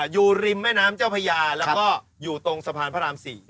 อยู่ริมแม่น้ำเจ้าพญาแล้วก็อยู่ตรงสะพานพระราม๔